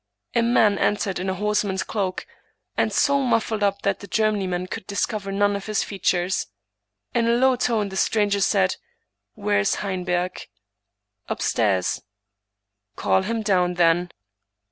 A man entered in a horseman's cloak, and so mufHed up that the journeyman could discover none of his features. In a low tone the stranger said, "Where's Heinberg?"— "Upstairs."— " Call him down, then."